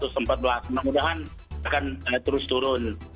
semoga akan terus turun